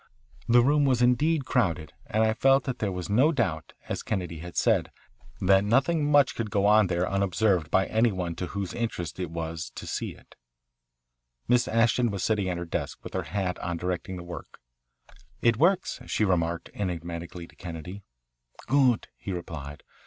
The room was indeed crowded, and I felt that there was no doubt, as Kennedy had said, that nothing much could go on there unobserved by any one to whose interest it was to see it. Miss Ashton was sitting at her desk with her hat on directing the work. "It works," she remarked enigmatically to Kennedy. "Good," he replied.